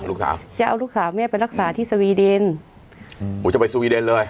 ลูกสาวจะเอาลูกสาวแม่ไปรักษาที่สวีเดนอืมผมจะไปสวีเดนเลย